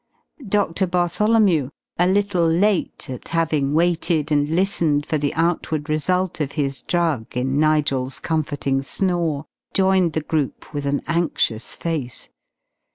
Doctor Bartholomew a little late at having waited and listened for the outward result of his drug in Nigel's comforting snore joined the group with an anxious face.